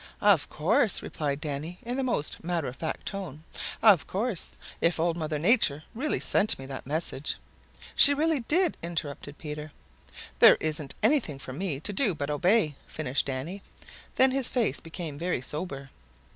"Of course," replied Danny in the most matter of fact tone. "Of course. If Old Mother Nature really sent me that message " "She really did," interrupted Peter. "There isn't anything for me to do but obey," finished Danny. Then his face became very sober.